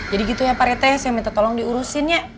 jadi gitu ya pak rete saya minta tolong diurusin ya